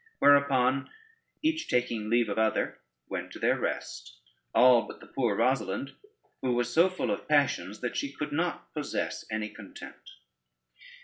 Whereupon each taking leave of other, went to their rest, all but the poor Rosalynde, who was so full of passions, that she could not possess any content.